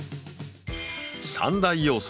３大要素